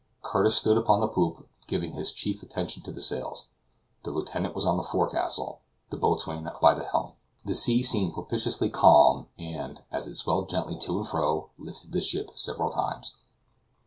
Curtis stood upon the poop, giving his chief attention to the sails; the lieutenant was on the forecastle; the boatswain by the helm. The sea seemed propitiously calm and; as it swelled gently to and fro, lifted the ship several times.